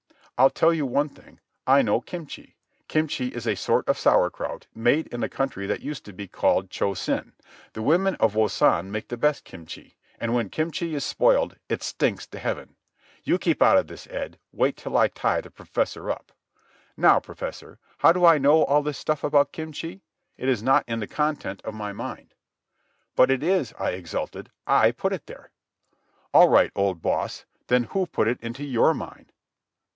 I'll tell you one thing. I know kimchi. Kimchi is a sort of sauerkraut made in a country that used to be called Cho Sen. The women of Wosan make the best kimchi, and when kimchi is spoiled it stinks to heaven. You keep out of this, Ed. Wait till I tie the professor up. "Now, professor, how do I know all this stuff about kimchi? It is not in the content of my mind." "But it is," I exulted. "I put it there." "All right, old boss. Then who put it into your mind?"